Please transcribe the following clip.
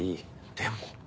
でも。